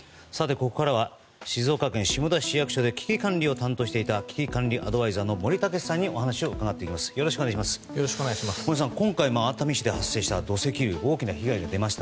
ここからは静岡県下田市役所で危機管理を担当していた危機管理アドバイザーの森健さんにお話を伺っていきます。